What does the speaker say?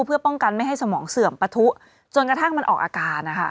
เพื่อป้องกันไม่ให้สมองเสื่อมปะทุจนกระทั่งมันออกอาการนะคะ